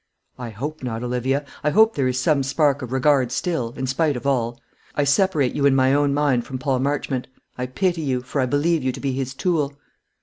"I hope not, Olivia. I hope there is some spark of regard still, in spite of all. I separate you in my own mind from Paul Marchmont. I pity you; for I believe you to be his tool."